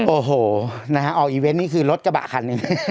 โอ้โหออกอีเวนต์นี่คือรถกระบะคัน